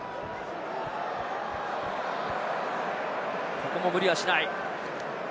ここも無理はしない。